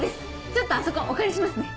ちょっとあそこお借りしますね。